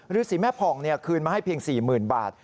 ฤษีแม่ผ่องคืนมาให้เพียง๔๐๐๐บาท